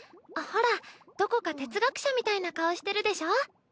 ほらどこか哲学者みたいな顔してるでしょ？